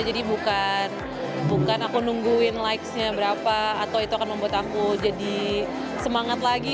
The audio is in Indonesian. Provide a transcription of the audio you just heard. jadi bukan bukan aku nungguin likes nya berapa atau itu akan membuat aku jadi semangat lagi